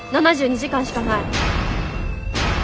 ７２時間しかない。